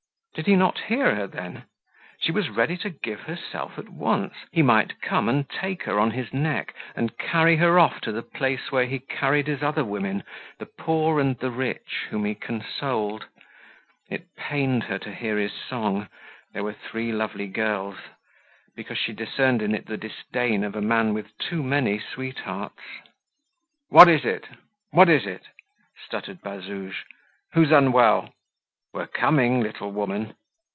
Did he not hear her then? She was ready to give herself at once; he might come and take her on his neck, and carry her off to the place where he carried his other women, the poor and the rich, whom he consoled. It pained her to hear his song, "There were three lovely girls," because she discerned in it the disdain of a man with too many sweethearts. "What is it? what is it?" stuttered Bazouge; "who's unwell? We're coming, little woman!"